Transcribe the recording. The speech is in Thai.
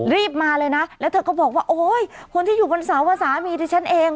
รีบมาเลยนะแล้วเธอก็บอกว่าโอ้ยคนที่อยู่บนเสาอ่ะสามีที่ฉันเอง